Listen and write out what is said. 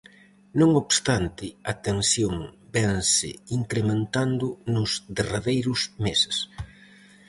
Non obstante, a tensión vense incrementando nos derradeiros meses.